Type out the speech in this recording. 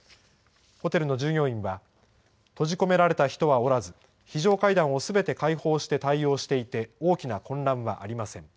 ホテルの従業員は閉じ込められた人はおらず、非常階段をすべて開放して対応していて、大きな混乱はありません。